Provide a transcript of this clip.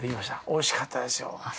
おいしかったですよ。